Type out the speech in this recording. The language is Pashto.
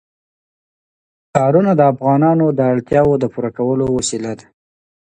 ښارونه د افغانانو د اړتیاوو د پوره کولو وسیله ده.